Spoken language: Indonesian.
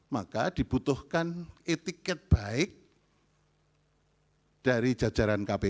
maka dibutuhkan etiket baik dari jajaran kpk